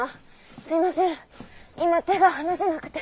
すいません今手が離せなくて。